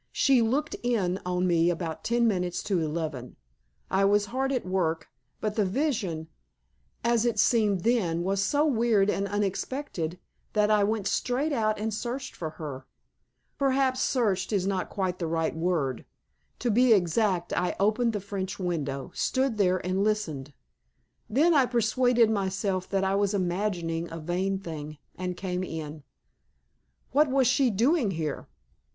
"She looked in on me about ten minutes to eleven. I was hard at work, but the vision, as it seemed then, was so weird and unexpected, that I went straight out and searched for her. Perhaps 'searched' is not quite the right word. To be exact, I opened the French window, stood there, and listened. Then I persuaded myself that I was imagining a vain thing, and came in." "What was she doing here?"